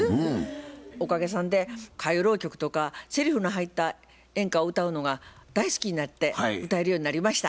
おかげさんで歌謡浪曲とかせりふの入った演歌を歌うのが大好きになって歌えるようになりました。